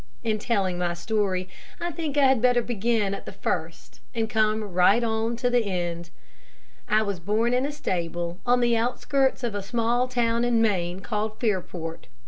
In telling my story, I think I had better begin at the first and come right on to the end. I was born in a stable on the outskirts of a small town in Maine called Fairport.